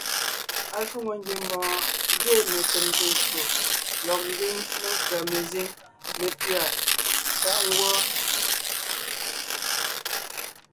Ashwòŋo ngiembɔɔn gẅiin metèmte ncwò lɔg ńdiŋ menkʉ̀a mezíŋ métʉ̂a páʼ ngwɔ́.